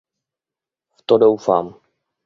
V to doufám.